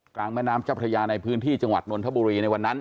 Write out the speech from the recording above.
กลางแม่น้ำจับทะยาในพื้นที่จังหวัดนวลธบุรีในวันนั้น